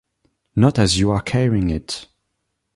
Not as you are carrying it.